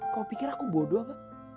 kau pikir aku bodoh gak